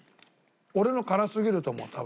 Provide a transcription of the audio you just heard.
俺の辛すぎると思う多分。